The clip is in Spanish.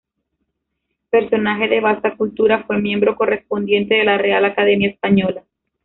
Personaje de vasta cultura, fue miembro correspondiente de la Real Academia Española.